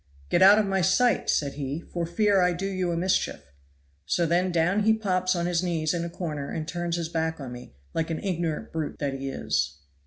"'Get out of my sight,' said he, 'for fear I do you a mischief.' So then down he pops on his knees in a corner and turns his back on me, like an ignorant brute that he is."